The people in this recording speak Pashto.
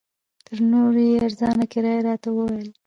تر نورو یې ارزانه کرایه راته وویل.